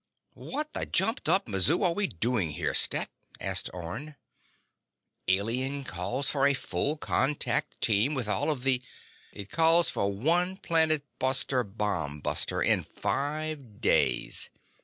"What the jumped up mazoo are we doing here, Stet?" asked Orne. "Alien calls for a full contact team with all of the—" "It calls for one planet buster bomb ... buster—in five days.